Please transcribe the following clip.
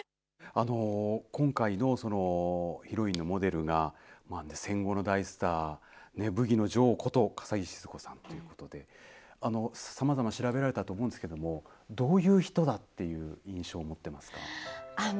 今回のヒロインのモデルが、戦後の大スター、ブギの女王こと笠置シヅ子さんということで、さまざま調べられたと思うんですけれども、どういう人だっていう印象を持ってますか。